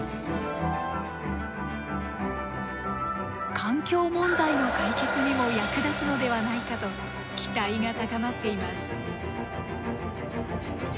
環境問題の解決にも役立つのではないかと期待が高まっています。